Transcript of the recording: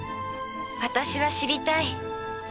私は知りたい。